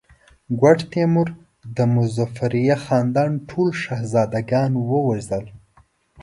ګوډ تیمور د مظفریه خاندان ټول شهزاده ګان ووژل.